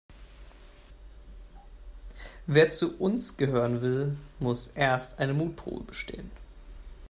Wer zu uns gehören will, muss erst eine Mutprobe bestehen.